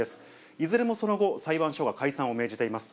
いずれもその後、裁判所が解散を命じています。